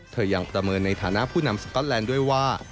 ยังประเมินในฐานะผู้นำสก๊อตแลนด์ด้วยว่า